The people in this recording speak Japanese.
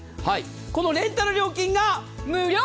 このレンタル料金が無料。